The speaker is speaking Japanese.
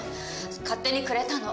勝手にくれたの。